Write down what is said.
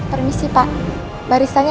permisi pak barisannya